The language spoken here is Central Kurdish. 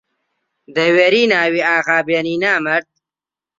دەوێری ناوی ئاغا بێنی نامەرد!